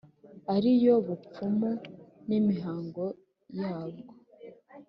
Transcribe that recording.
ari yo bupfumu n’imihango yabwo.